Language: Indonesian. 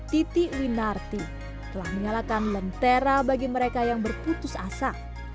titi winarti telah menyalakan lentera bagi mereka yang berputus asa